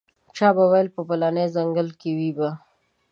چا به ویل په پلاني ځنګل کې وي به.